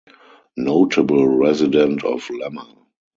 Notable resident of Lemmer.